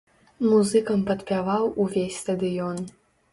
Музыкам падпяваў увесь стадыён.